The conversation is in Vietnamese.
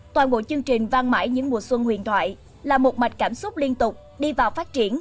toàn bộ chương trình vang mãi những mùa xuân huyền thoại là một mạch cảm xúc liên tục đi vào phát triển